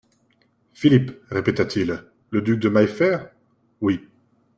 Philippe, répéta-t-il, le duc de Maillefert ?… Oui.